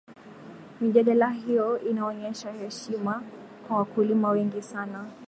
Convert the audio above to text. mijadala hiyo inaonyesha heshima kwa wakulima wengi sana